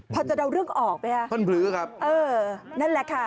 พอจะเดาเรื่องออกไหมคะท่านพลื้อครับเออนั่นแหละค่ะ